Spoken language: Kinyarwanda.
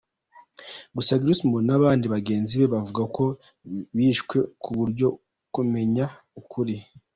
Gus Grissom n’abandi bagenzi be bivugwa ko bishwe kubwo kumenya ukuri.